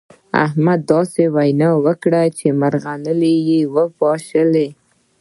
احمد داسې وينا وکړه چې مرغلرې يې وپاشلې.